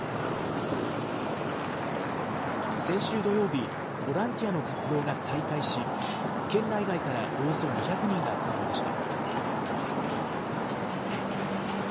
先週土曜日、ボランティアの活動が再開し、県内外から、およそ２００人が集まりました。